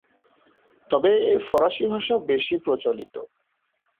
তবে ফরাসি ভাষা বেশি প্রচলিত।